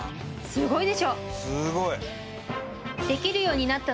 すごいでしょ？